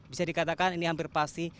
bisa dikatakan ini hampir pasti